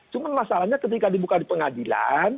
cuma masalahnya ketika dibuka di pengadilan